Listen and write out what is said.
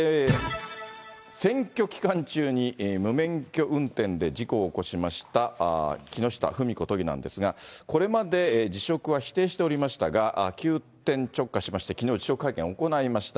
選挙期間中に無免許運転で事故を起こしました木下富美子都議なんですが、これまで辞職は否定しておりましたが、急転直下しまして、きのう、辞職会見を行いました。